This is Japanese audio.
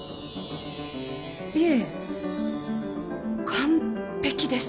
いえ完璧です。